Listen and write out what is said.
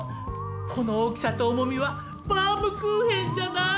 この大きさと重みはバウムクーヘンじゃない？